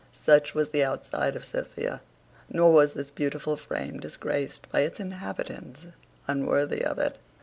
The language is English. Such was the outside of Sophia; nor was this beautiful frame disgraced by an inhabitant unworthy of it.